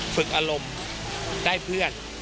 ฝึกอารมณ์ได้เพื่อน